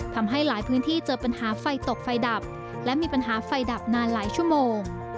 ทำให้หลายพื้นที่เจอปัญหาไฟตกไฟดับและมีปัญหาไฟดับนานหลายชั่วโมง